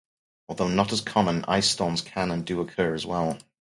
Although not as common, ice storms can and do occur as well.